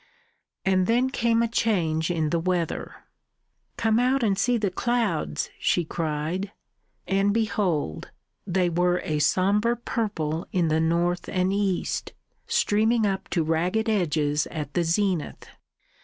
And then came a change in the weather. "Come out and see the clouds," she cried; and behold! they were a sombre purple in the north and east, streaming up to ragged edges at the zenith.